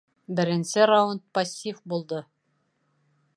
Беренсе раунд пассив булды